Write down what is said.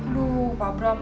aduh pak bram